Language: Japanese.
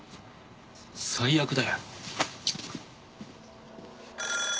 最悪だよ。